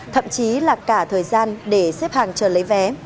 thậm chí là cả thời gian để xếp hàng chờ lấy vé